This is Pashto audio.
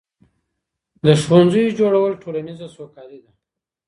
د ښوونځیو جوړول ټولنیزه سوکالي ده.